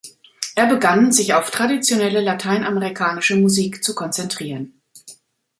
Er begann, sich auf traditionelle lateinamerikanische Musik zu konzentrieren.